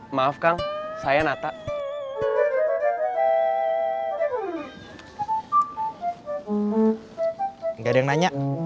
apakah pangeotto nya nih